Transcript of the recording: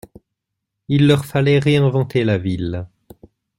Il leur fallait réinventer la ville.